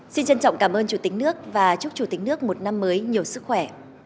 xin trân trọng cảm ơn chủ tịch nước và chúc chủ tịch nước một năm mới nhiều sức khỏe